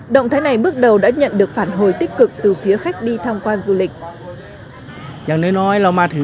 động thái này bước đầu đã nhận được phản hồi tích cực từ phía khách đi tham quan du lịch